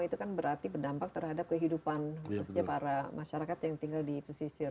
itu kan berarti berdampak terhadap kehidupan khususnya para masyarakat yang tinggal di pesisir